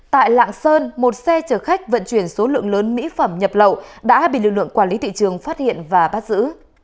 tại lạng sơn một xe chở khách vận chuyển số lượng lớn mỹ phẩm nhập lậu đã bị lực lượng quản lý thị trường phát hiện và bắt giữ